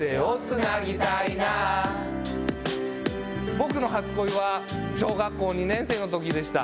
僕の初恋は小学校２年生のときでした。